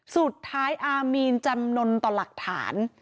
สุดท้ายอามีนจำนวนต่อหลักฐาน